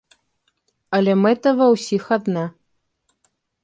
Але мэта ва ўсіх адна.